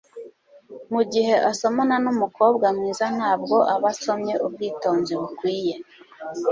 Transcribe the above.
mu gihe asomana n'umukobwa mwiza ntabwo aba asomye ubwitonzi bukwiye.”